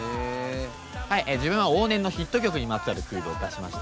自分は往年のヒット曲にまつわるクイズを出しました。